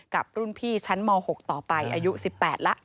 กับรุ่นพี่ชั้นม๖ต่อไปอายุ๑๘แล้ว